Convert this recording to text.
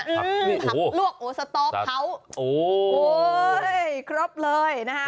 ผักลวกสต๊อกเผาโอ้โหครับเลยนะฮะ